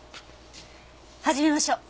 始めましょう。